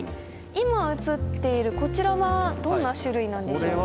今映っているこちらはどんな種類なんでしょうか？